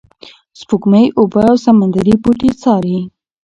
سپوږمکۍ اوبه او سمندري بوټي څاري.